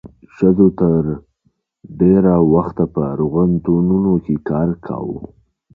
ښځو تر ډېره وخته په روغتونونو کې کار کاوه.